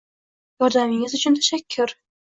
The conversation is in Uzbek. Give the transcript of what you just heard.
Yordamingiz uchun tashakkur.